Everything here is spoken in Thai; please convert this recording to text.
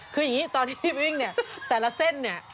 คืออย่างนี้ตอนที่วิ่งเนี่ยแต่ละเส้นเนี่ย